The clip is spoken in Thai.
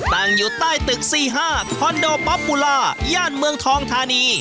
ตั้งอยู่ใต้ตึก๔๕คอนโดป๊อปบูลายย่านเมืองทองธานี